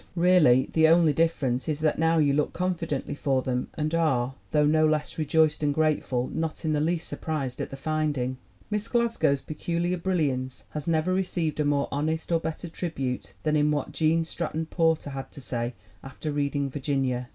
Really the only difference is that now you look confidently for them and are, though no less rejoiced and grateful, not in the least surprised at the finding. Miss Glasgow's peculiar brilliance has never re ceived a more honest or better tribute than in what Gene Stratton Porter had to say after reading Virginia.